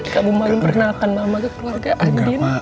kamu mau perkenalkan mama ke keluarga andin